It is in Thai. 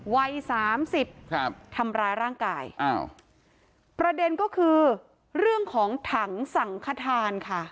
ไว้๓๐ทำร้ายร่างกายประเด็นก็คือเรื่องของถังสังฆทานค่ะ